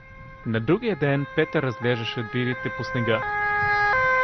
На другия ден Петър разглеждаше дирите по снега.